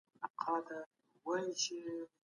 دولت خصوصي سکتور ته واک ورکړی دی.